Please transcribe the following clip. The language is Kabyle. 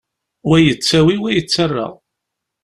Wa yettawi, wa yettarra.